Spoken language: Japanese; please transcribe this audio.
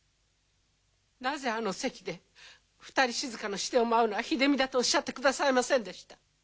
なぜあの席で『二人静』のシテを舞うのは秀美だとおっしゃってくださいませんでした？